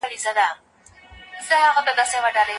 بهرنۍ پالیسي د هیواد لپاره سیاسي او اقتصادي ګټي لري.